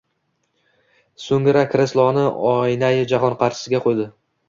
Soʻngra kresloni “oinai jahon” qarshisiga qo'ydi